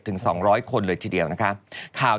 ถึง๒๐๐คนเลยทีเดียวนะคะ